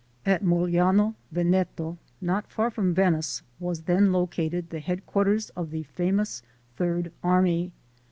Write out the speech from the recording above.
At Mogliano, Veneto, not far from Venice, was then located the Headquarters of the famous Third Army.